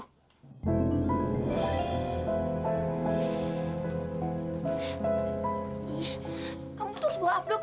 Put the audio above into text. kamu ngapain sih tarik tarik tangan aku